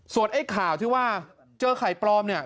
ส่วนไอ้ข่าวที่ว่าเจอไข่ปลอมเนี่ย